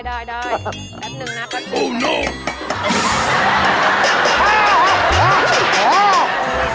แป๊บนึงนะแป๊บนึงนะ